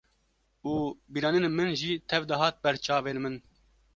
û bîranînên min jî tev dihat ber çavên min